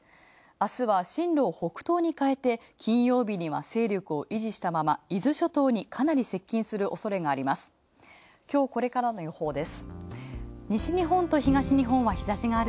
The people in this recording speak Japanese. あすは北東に変えて金曜日には勢力を維持したまま伊豆諸島にかなり接近する。